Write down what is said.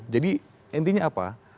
jadi intinya apa